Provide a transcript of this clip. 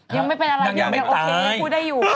มันจะเหนื่อยมากเวลาพูดอย่างนี้